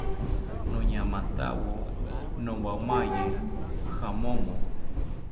Noñamatawo nowamaye jamomo